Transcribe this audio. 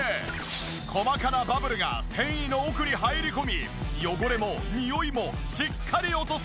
細かなバブルが繊維の奥に入り込み汚れもニオイもしっかり落とす！